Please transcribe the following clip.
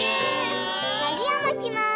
のりをまきます。